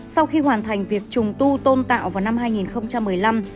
sau khi hoàn thành việc trùng tu tôn tạo vào năm hai nghìn một mươi năm